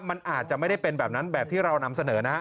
มันอาจจะไม่ได้เป็นแบบนั้นแบบที่เรานำเสนอนะ